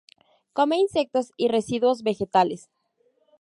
Come insectos y residuos vegetales.